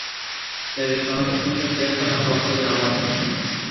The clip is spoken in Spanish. Se desconoce a ciencia cierta la causa de la muerte.